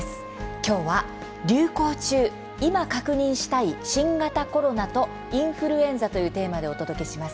今、確認したい新型コロナとインフルエンザ」というテーマでお届けします。